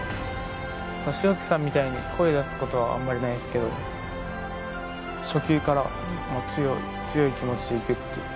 代木さんみたいに、声出すことはあんまりないですけど、初球から強い気持ちで行くっていう。